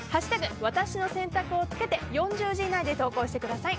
ワタシの選択」をつけて４０字以内で投稿してください。